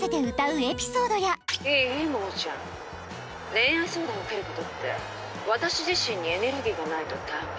恋愛相談受けることって私自身にエネルギーがないとダメ。